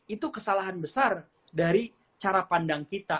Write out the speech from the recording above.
itu kesalahan besar dari cara pandang kita